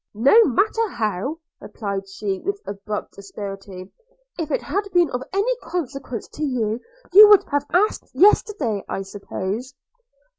'No matter how,' replied she with abrupt asperity, 'if it had been of any consequence to you, you would have asked yesterday, I suppose.'